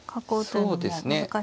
そうですね。